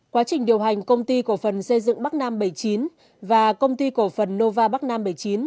quá trình điều hành công ty cổ phần xây dựng bắc nam bảy mươi chín và công ty cổ phần nova bắc nam bảy mươi chín